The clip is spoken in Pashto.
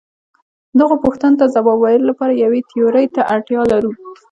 دغو پوښتنو ته ځواب ویلو لپاره یوې تیورۍ ته اړتیا لرو.